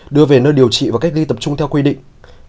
đưa về nơi điều trị và cách ly tập trung theo quy định